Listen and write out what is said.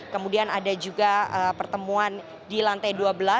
kemudian ada juga pertemuan di lantai dua belas